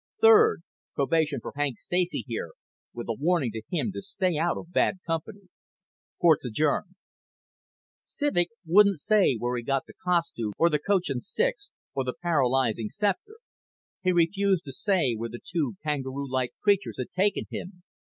Third, probation for Hank Stacy here, with a warning to him to stay out of bad company. Court's adjourned." Civek wouldn't say where he'd got the costume or the coach and six or the paralyzing scepter. He refused to say where the two kangaroo like creatures had taken him.